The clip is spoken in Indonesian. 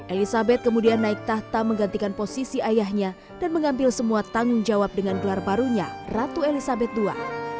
elizabeth kemudian naik tahta menggantikan posisi ayahnya dan mengambil semua tanggung jawab dengan gelar barunya ratu elizabeth ii